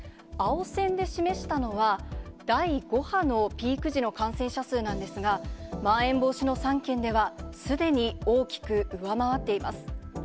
青線で示したのは、第５波のピーク時の感染者数なんですが、まん延防止の３県では、すでに大きく上回っています。